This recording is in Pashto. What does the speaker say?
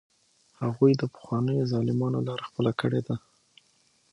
هغوی د پخوانیو ظالمانو لاره خپله کړې ده.